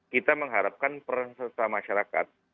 kita mengharapkan perang sesama masyarakat